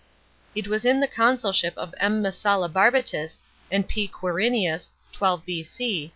It was in the consulship of M. Messalla Barbatus and P. Quirinius (12 B.C.)